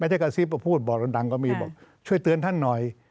ไม่ได้กระซิบพูดบอกดังก็มีบอกช่วยเตือนท่านหน่อย